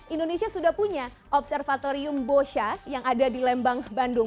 indonesia sudah punya observatorium bosha yang ada di lembang bandung